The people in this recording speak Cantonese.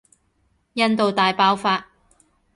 印度大爆發